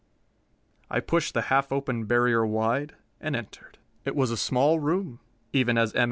I pushed the half open barrier wide, and entered. It was a small room, even as M.